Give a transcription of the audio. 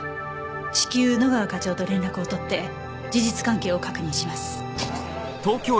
至急野川課長と連絡を取って事実関係を確認します。